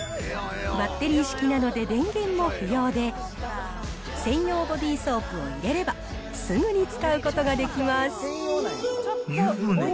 バッテリー式なので電源も不要で、専用ボディソープを入れれば、すぐに使うことができます。